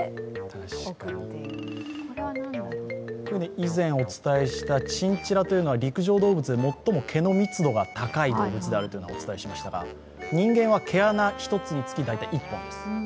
以前お伝えしたチンチラというのは陸上動物で最も毛の密度が高いというのをお伝えしましたが人間は毛穴１つにつき大体１本です。